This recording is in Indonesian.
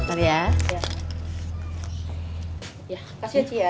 kasih ya cik ya